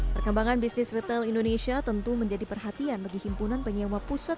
perkembangan bisnis retail indonesia tentu menjadi perhatian bagi himpunan penyewa pusat